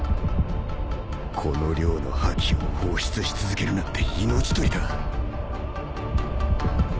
この量の覇気を放出し続けるなんて命取りだ